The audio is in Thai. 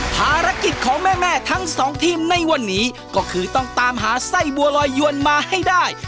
ภารกิจของแม่ทั้งสองทีมในวันนี้ก็คือต้องตามหาไส้บัวลอยยวนมาให้ได้